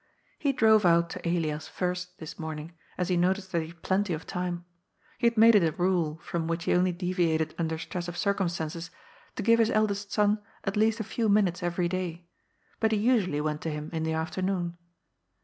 He drove out to Elias first this morning, as he noticed that he had plenty of time. He had made it a rule, from which he only deviated under stress of circumstances, to give his eldest son at least a few minutes every day, but he usually went to him in the afternoon.